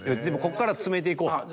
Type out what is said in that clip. でもこっから詰めていこう。